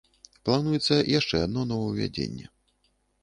Плануецца яшчэ адно новаўвядзенне.